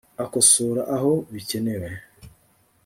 akosora aho bikenewe .